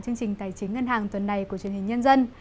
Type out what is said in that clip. chương trình tài chính ngân hàng tuần này của truyền hình nhân dân